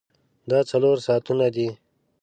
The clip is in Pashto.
دا څلور ساعتونه دي.